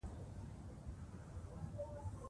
ستوني غرونه د افغانستان د ښاري پراختیا سبب کېږي.